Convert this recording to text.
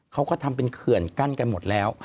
เขาก็ทำเป็นเขื่อนกั้นกันหมดแล้ว